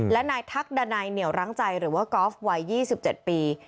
และนายทักดันัยเหนียวร้างใจหรือว่ากอล์ฟวัย๒๗ปี